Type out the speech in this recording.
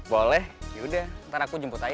boleh yaudah ntar aku jemput aja